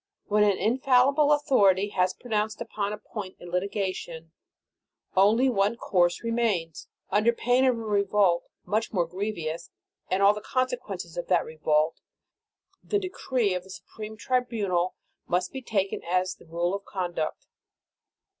When an infallible authority has pronounced upon a point in litigation, only one course remains. Under pain of a revolt much more grievous, and all the conse quences of that revolt, the decree of the supreme tribunal must be taken as the rule of conduct.